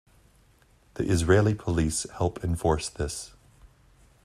The Israeli police help enforce this.